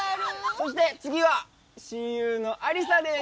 そして次は親友の亜里沙です。